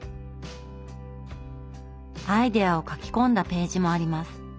アイデアを書き込んだページもあります。